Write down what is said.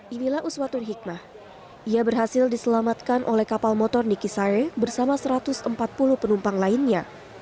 inilah uswatun hikmah ia berhasil diselamatkan oleh kapal motor nikisare bersama satu ratus empat puluh penumpang lainnya